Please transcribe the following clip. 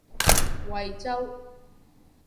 惠州